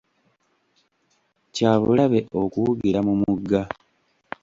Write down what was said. Kya bulabe okuwugira mu mugga.